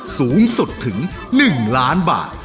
สูงสุดถึง๑ล้านบาท